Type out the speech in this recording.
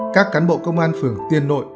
các cán bộ công an phường tiên nội